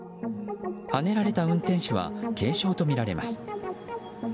はねられた運転手は軽傷とみられます。